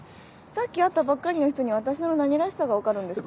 さっき会ったばっかりの人に私の何らしさが分かるんですか？